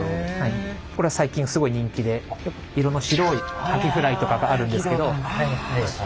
これは最近すごい人気で色の白いカキフライとかがあるんですけど。